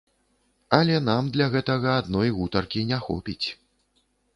Але нам для гэтага адной гутаркі не хопіць.